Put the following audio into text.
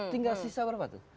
tinggal sisa berapa tuh